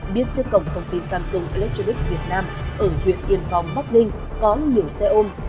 biết chất cổng công ty samsung electronics việt nam ở huyện yên phong bắc ninh có nhiều xe ôm